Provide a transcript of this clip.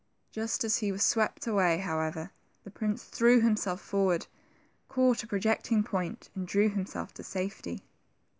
Just as he was swept away, however, the prince threw himself forward, caught a projecting point, and drew himself to safety.